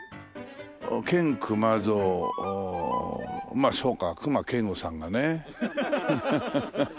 まあそうか隈研吾さんがね。